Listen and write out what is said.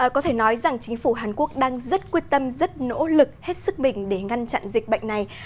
có thể nói rằng chính phủ hàn quốc đang rất quyết tâm rất nỗ lực hết sức mình để ngăn chặn dịch bệnh này